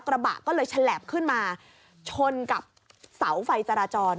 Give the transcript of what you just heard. กระบะก็เลยฉลับขึ้นมาชนกับเสาไฟจราจร